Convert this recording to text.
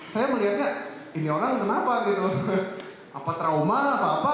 saya melihatnya ini orang kenapa gitu apa trauma apa apa